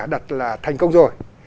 đặt là thành công rồi